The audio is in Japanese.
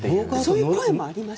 そういう声もあります。